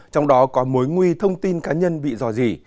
trong đó có mối nguy thông tin cá nhân bị dò dỉ